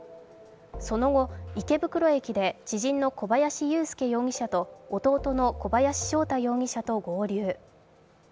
その後、池袋駅で知人の小林優介容疑者と弟の小林翔太容疑者と合流。